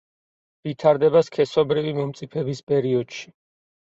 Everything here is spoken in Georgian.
ვითარდება სქესობრივი მომწიფების პერიოდში.